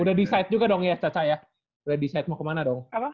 udah di site juga dong ya caca ya udah decide mau kemana dong